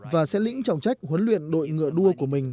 và sẽ lĩnh trọng trách huấn luyện đội ngựa đua của mình